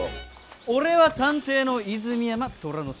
俺は探偵の泉山虎之介。